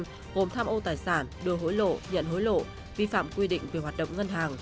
gồm tham ô tài sản đưa hối lộ nhận hối lộ vi phạm quy định về hoạt động ngân hàng